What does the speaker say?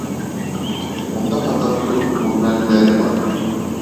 Унда хатта дүрт бүлмәлеләре бар.